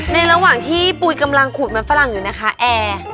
ในระหว่างที่ปุ๋ยกำลังขูดมันฝรั่งอยู่นะคะแอร์